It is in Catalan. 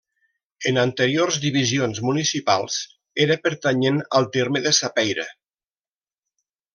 En anteriors divisions municipals era pertanyent al terme de Sapeira.